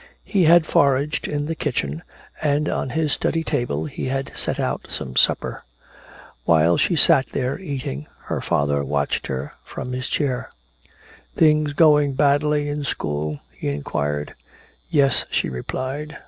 He had foraged in the kitchen, and on his study table he had set out some supper. While she sat there eating, her father watched her from his chair. "Things going badly in school?" he inquired. "Yes," she replied.